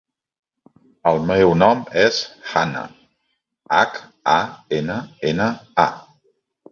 El meu nom és Hanna: hac, a, ena, ena, a.